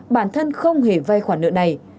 bản thân không hề vai khoản nợ này